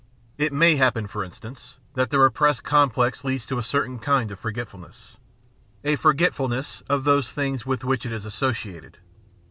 It may happen, for instance, that the repressed complex leads to a certain kind of f orgetfulness, a for getf ulness of those things with which it is associated.